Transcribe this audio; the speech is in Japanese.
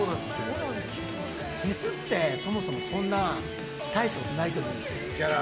フェスってそもそも、そんなに大したことないと思うんです。